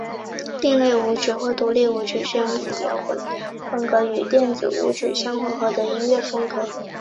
另类舞曲或独立舞曲是一种将各种摇滚风格与电子舞曲相混合的音乐风格。